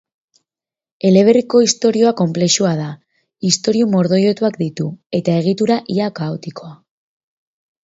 Eleberriko istorioa konplexua da, istorio mordoilotuak ditu eta egitura ia kaotikoa.